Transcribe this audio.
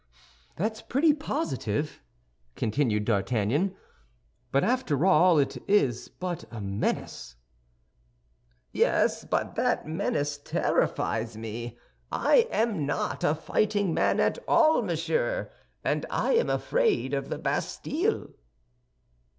"That's pretty positive," continued D'Artagnan; "but after all, it is but a menace." "Yes; but that menace terrifies me. I am not a fighting man at all, monsieur, and I am afraid of the Bastille."